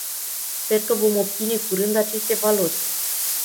Sper că vom obține curând aceste valori.